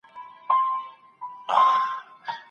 ذهن مو د ښو افکارو لپاره وزېرمئ.